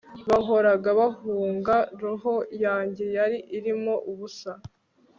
bahoraga bahunga; roho yanjye yari irimo ubusa